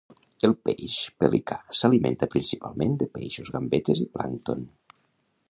El peix pelicà s'alimenta principalment de peixos, gambetes i plàncton.